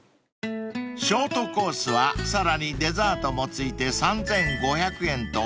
［ショートコースはさらにデザートも付いて３，５００円とお値打ち］